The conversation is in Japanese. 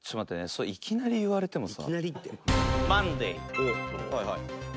それいきなり言われてもさ」